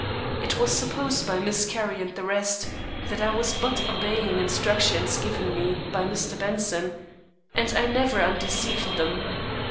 It was supposed by Miss Carrie and the rest, that I was but obeying instructions given me by Mr. Benson; and I never undeceived them.